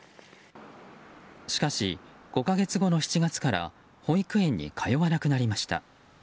しかし、５か月後の７月から保育園に通わなくなりました。